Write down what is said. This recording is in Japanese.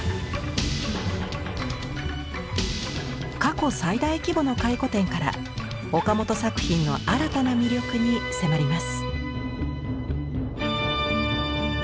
過去最大規模の回顧展から岡本作品の新たな魅力に迫ります。